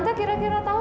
aku sahulah masalah mu